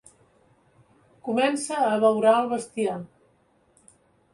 Comença a abeurar el bestiar.